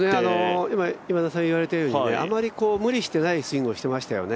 今、今田さんが言われたようにあまり無理していないスイングをしていましたよね。